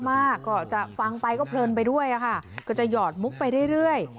มากก็จะฟังไปก็เพลินไปด้วยค่ะก็จะหอดมุกไปเรื่อย